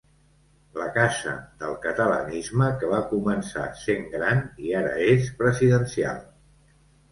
La casa del catalanisme que va començar sent gran i ara és presidencial.